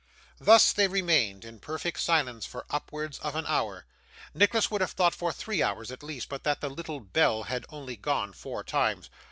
Thus they remained in perfect silence for upwards of an hour Nicholas would have thought for three hours at least, but that the little bell had only gone four times.